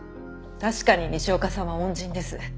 確かに西岡さんは恩人です。